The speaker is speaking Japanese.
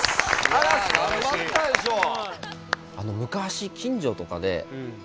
いや頑張ったでしょう。